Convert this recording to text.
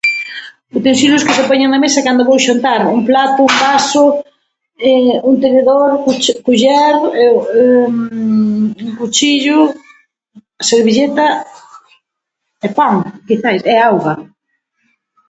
Utensilios que se poñen na mesa cando vou xantar? Un plato, un vaso, un tenedor, cu- culler, un cuchillo, servilleta e pan, quizás, e auga.